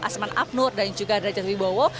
asman abnur dan juga derajat wibowo